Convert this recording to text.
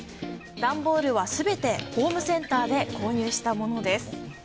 段ボールはすべて、ホームセンターで購入したものです。